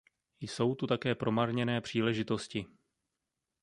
Jsou tu také promarněné příležitosti.